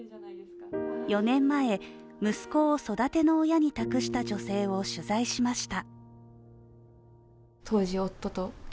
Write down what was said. ４年前、息子を育ての親に託した女性を取材しました。